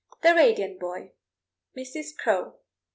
THE RADIANT BOY. MRS. CROW.